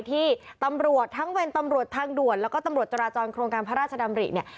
ที่ตำรวจทั้งเป็นตำรวจทางด่วนแล้วก็ตำรวจจราจรโครงการพระราชดำริเนี่ย